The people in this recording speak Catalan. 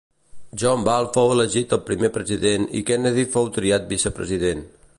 John Ball fou elegit el primer president i Kennedy fou triat vicepresident.